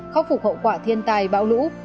khắc phục hậu quả thiên tài bão lũ